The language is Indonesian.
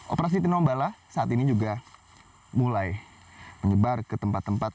operasi tinombala saat ini juga mulai menyebar ke tempat tempat